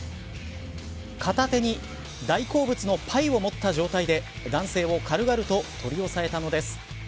片手に大好物のパイを持った状態で男性を軽々と取り押さえたのです。